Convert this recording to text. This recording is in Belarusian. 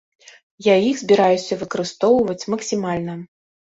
Я іх збіраюся выкарыстоўваць максімальна.